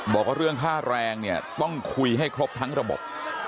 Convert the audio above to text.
บอกว่าเรื่องค่าแรงเนี่ยต้องคุยให้ครบทั้งระบบ